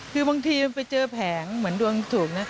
คือบางทีมันไปเจอแผงเหมือนดวงถูกนะ